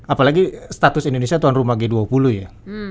apalagi status indonesia tuan rumah g dua puluh ya